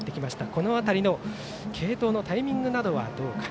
この辺りの継投のタイミングなどはどうか。